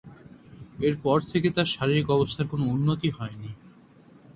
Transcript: এরপর থেকে তার শারীরিক অবস্থার কোনো উন্নতি হয়নি।